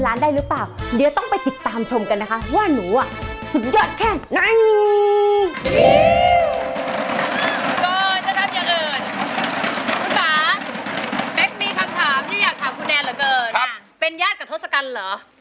คุณฟ้าแม็กซ์มีคำถามที่อยากถามคุณแนนเหรอกันอะเป็นญาติกับทศกัณฐ์เหรอ